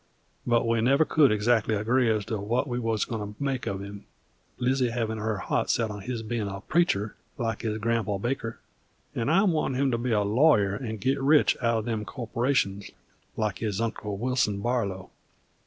But we never c'u'd exactly agree as to what we was goin' to make of him; Lizzie havin' her heart sot on his bein' a preacher like his gran'pa Baker, and I wantin' him to be a lawyer 'nd git rich out'n the corporations, like his uncle Wilson Barlow.